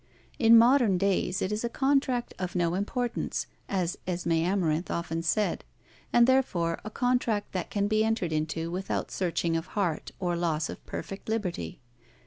In modern days it is a contract of no importance, as Esmé Amarinth often said, and therefore a contract that can be entered into without searching of heart or loss of perfect liberty.